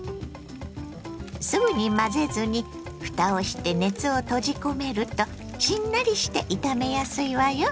すぐに混ぜずにふたをして熱を閉じ込めるとしんなりして炒めやすいわよ。